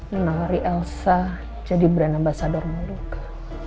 menangari elsa jadi brand ambasador moluka